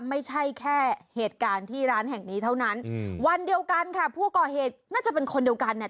ไม่ใช่แค่เหตุการณ์ที่ร้านแห่งนี้เท่านั้นอืมวันเดียวกันค่ะผู้ก่อเหตุน่าจะเป็นคนเดียวกันเนี่ย